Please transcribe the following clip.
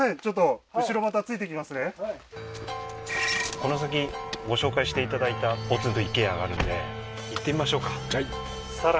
この先ご紹介していただいたポツンと一軒家があるので行ってみましょうかっていう方で